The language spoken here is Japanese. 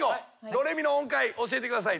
ドレミの音階教えてください。